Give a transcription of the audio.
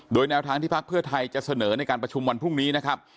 โดยแนวทางที่พักเพื่อไทยจะเสนอในการประชุมวันพรุ่งนี้นะครับ